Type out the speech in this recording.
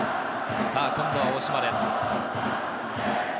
さあ、今度は大島です。